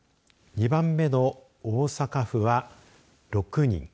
２番目の大阪府は６人。